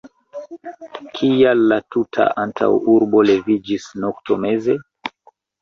Kial la tuta antaŭurbo leviĝis noktomeze?